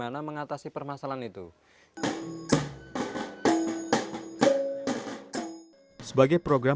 untuk menjadi pemandu y anda